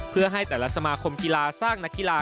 เพื่อให้แต่ละสมาคมกีฬาสร้างนักกีฬา